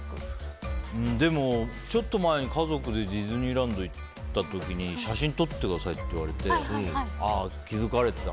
ちょっと前に家族でディズニーランドに行った時に写真、撮ってくださいって言われてああ、気づかれた。